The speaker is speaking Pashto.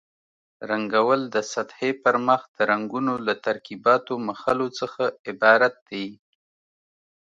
رنګول د سطحې پر مخ د رنګونو له ترکیباتو مښلو څخه عبارت دي.